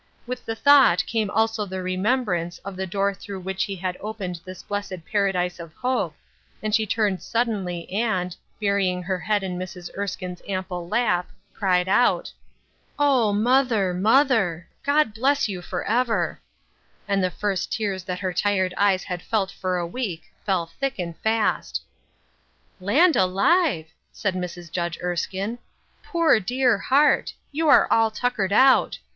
With the thought came also the remem^ brance of the door through which he had opened this blessed paradise of hope, and she turned suddenly, and, burying her head in Mrs. Ers kine's ample lap, cried out :" Oh, mother 434 Ruth Erskines Crosses, mother I God bless you forever I '* And the first tears that her tired eyes had felt for a week fell thick and fast. " Land alive I " said Mrs. Judge Erskine. " Poor, dear heart ! You are all tuckered out